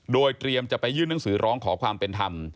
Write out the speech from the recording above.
โดยเตรียมจะไปยื่นหนังสือร้องขอความเป็นธรรม